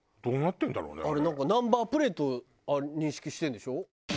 あれなんかナンバープレートを認識してるんでしょ？